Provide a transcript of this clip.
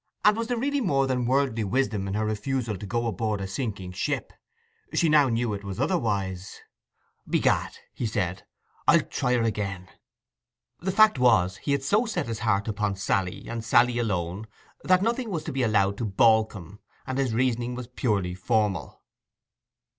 And was there really more than worldly wisdom in her refusal to go aboard a sinking ship? She now knew it was otherwise. 'Begad,' he said, 'I'll try her again.' The fact was he had so set his heart upon Sally, and Sally alone, that nothing was to be allowed to baulk him; and his reasoning was purely formal.